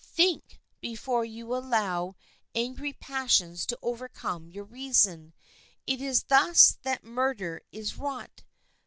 Think before you allow angry passions to overcome your reason. It is thus that murder is wrought.